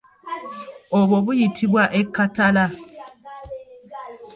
Obwo buyitibwa ekkatala.